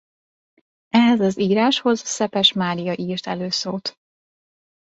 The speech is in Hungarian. Ehhez az íráshoz Szepes Mária írt előszót.